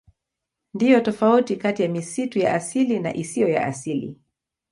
Ndiyo tofauti kati ya misitu ya asili na isiyo ya asili.